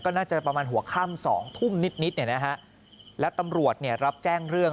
ก็น่าจะประมาณหัวค่ำ๒ทุ่มนิดนะฮะและตำรวจรับแจ้งเรื่อง